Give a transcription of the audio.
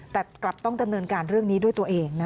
แต่กลับต้องดำเนินการเรื่องนี้ด้วยตัวเองนะ